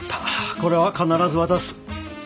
これは必ず渡す。